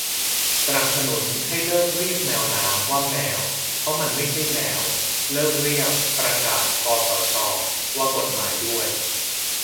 สนับสนุนให้เลิกเรียก แมวน้ำ ว่า แมว เพราะมันไม่ใช่แมว เลิกเรียกประกาศคสชว่ากฎหมายด้วย